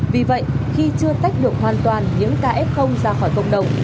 vì vậy khi chưa tách được hoàn toàn những kf ra khỏi cộng đồng